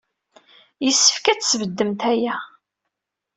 Yessefk ad tesbeddemt aya.